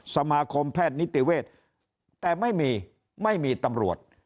สมาคมแพทย์นิติเวศแต่ไม่มีไม่มีตำรวจ